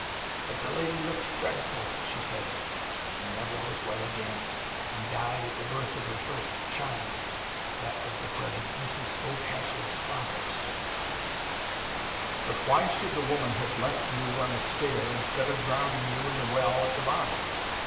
But the lady looked dreadful, she said, and never was well again, and died at the birth of her first child. That was the present Mrs Oldcastle's father, sir." "But why should the woman have left you on the stair, instead of drowning you in the well at the bottom?"